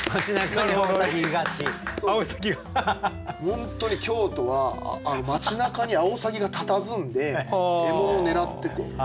本当に京都は町なかにアオサギがたたずんで獲物を狙ってて。